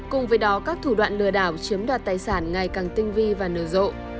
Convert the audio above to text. cùng với đó các thủ đoạn lừa đảo chiếm đoạt tài sản ngày càng tinh vi và nở rộ